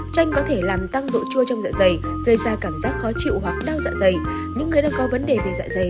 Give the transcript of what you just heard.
chanh có thể làm tăng độ chua trong dạ dày gây ra cảm giác khó chịu hoặc đau dạ dày